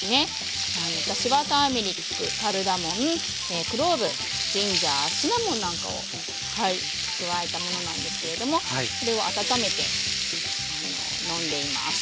私はターメリックカルダモンクローブジンジャーシナモンなんかをはい加えたものなんですけれどもそれを温めて飲んでいます。